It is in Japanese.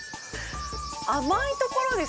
甘いところですよね。